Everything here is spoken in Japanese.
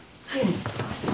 はい。